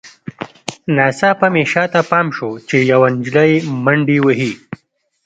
ناڅاپه مې شاته پام شو چې یوه نجلۍ منډې وهي